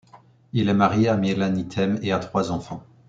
Il est marié à Melanie Tem et a trois enfants.